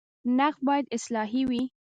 نقد باید اصلاحي وي